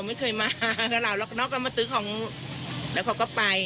ไม่เคยมากับเราหรอกน้องก็มาซื้อของแล้วเขาก็ไป